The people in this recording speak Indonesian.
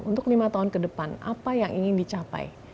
untuk lima tahun ke depan apa yang ingin dicapai